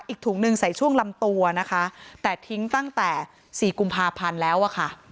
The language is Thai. ถุงหนึ่งใส่ช่วงลำตัวนะคะแต่ทิ้งตั้งแต่สี่กุมภาพันธ์แล้วอะค่ะ